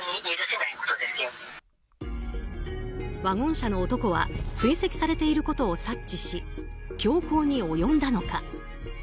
ワゴン車の男は追跡されていることを察知し凶行に及んだのか。